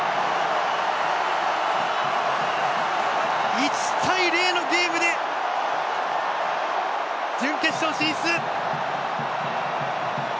１対０のゲームで準決勝進出！